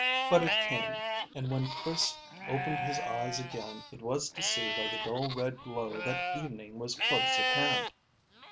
But it came, and when Chris opened his eyes again it was to see by the dull red glow that evening was close at hand.